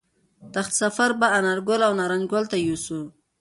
تخت سفر به انارګل او نارنج ګل ته یوسو